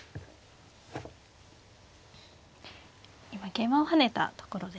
今桂馬を跳ねたところですね。